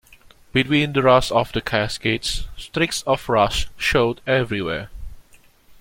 Between the rush of the cascades, streaks of rust showed everywhere.